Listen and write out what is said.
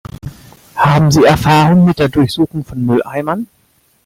Haben Sie Erfahrung mit der Durchsuchung von Mülleimern?